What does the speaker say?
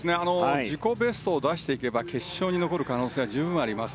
自己ベストを出していけば決勝に残る可能性は十分にあります。